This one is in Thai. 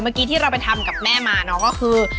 เมื่อกี้ที่เราไปทำกับแม่มาเนาะก็คือ